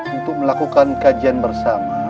untuk melakukan kajian bersama